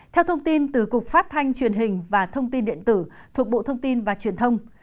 theo thông tin từ cục phát thanh truyền hình và thông tin điện tử thuộc bộ thông tin và truyền thông